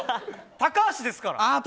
高橋ですから。